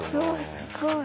すごい。